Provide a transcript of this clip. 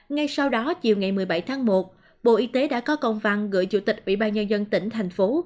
ngay sau đó chiều ngày một mươi bảy tháng một bộ y tế đã có công văn gửi chủ tịch ủy ban nhân dân tỉnh thành phố